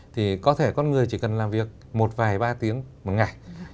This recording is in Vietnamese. thì có thể con người chỉ cần làm việc một vài ba tiếng một ngày